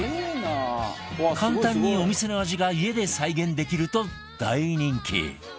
簡単にお店の味が家で再現できると大人気